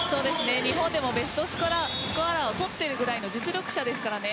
日本でもベストスコアラーをとるぐらいの実力者ですからね。